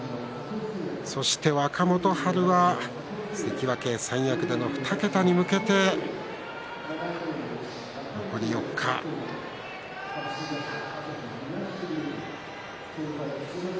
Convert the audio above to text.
そして若元春は関脇三役での２桁に向けて残り４日です。